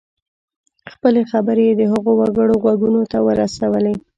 خپلې خبرې یې د هغو وګړو غوږونو ته ورسولې.